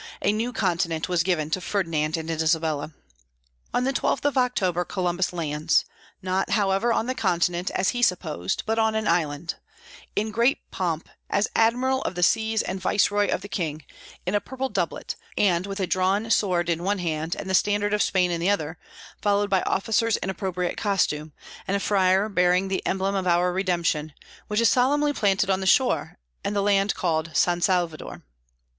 A new continent was given to Ferdinand and Isabella. On the 12th of October Columbus lands not, however, on the continent, as he supposed, but on an island in great pomp, as admiral of the seas and viceroy of the king, in a purple doublet, and with a drawn sword in one hand and the standard of Spain in the other, followed by officers in appropriate costume, and a friar bearing the emblem of our redemption, which is solemnly planted on the shore, and the land called San Salvador.